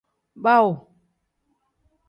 Baawu.